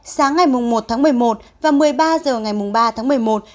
sáng ngày một tháng một mươi một và một mươi ba h ngày ba tháng một mươi một